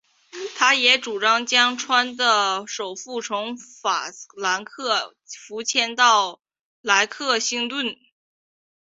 他也主张将州的首府从法兰克福迁到莱克星顿。